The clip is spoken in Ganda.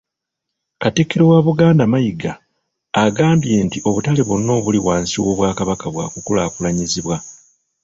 Katikkiro wa Buganda Mayiga, agambye nti obutale bwonna obuli wansi w’Obwakabaka bwakulaakulanyizibwa.